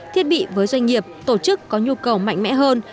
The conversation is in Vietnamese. thiết bị với doanh nghiệp tổ chức có nhu cầu mạnh mẽ hơn